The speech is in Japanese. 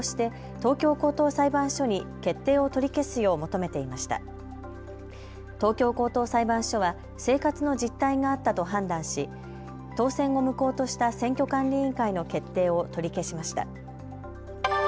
東京高等裁判所は生活の実態があったと判断し当選を無効とした選挙管理委員会の決定を取り消しました。